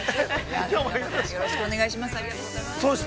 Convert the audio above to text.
きょうもよろしくお願いします。